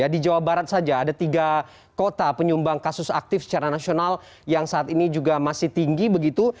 di jawa barat saja ada tiga kota penyumbang kasus aktif secara nasional yang saat ini juga masih tinggi begitu